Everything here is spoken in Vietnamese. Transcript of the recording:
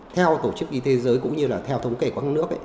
theo tổ chức y thế giới cũng như là theo thống kê quán nước